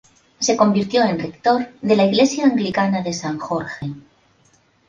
Se convirtió en rector de la iglesia anglicana de San Jorge.